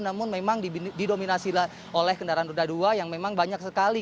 namun memang didominasi oleh kendaraan roda dua yang memang banyak sekali